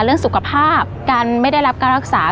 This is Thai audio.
เรื่องสุขภาพการไม่ได้รับการรักษา